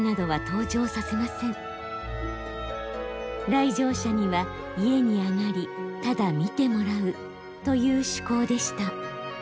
来場者には家に上がりただ見てもらうという趣向でした。